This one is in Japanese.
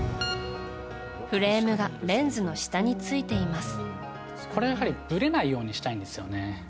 フレームがレンズの下についています。